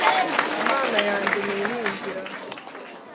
imana yanjye niringira.”